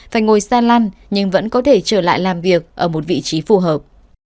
phải ngồi xa lăn nhưng vẫn có thể trở lại làm việc ở một vị trí phù hợp